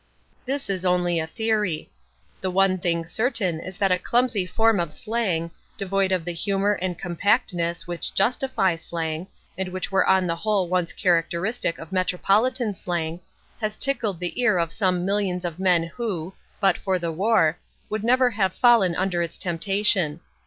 This is only a theory. The one thing certain is that a clumsy form of slang, devoid of the humour and compactness which justify slang and which were on the whole once characteristic of metropolitan slang has tickled the ear of some millions of men who, but for the war, would never have fallen under its temptation.